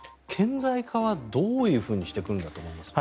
顕在化はどういうふうにしていくんだと思いますか？